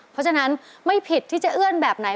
เพราะฉะนั้นไม่ผิดที่จะเอื้อนแบบไหน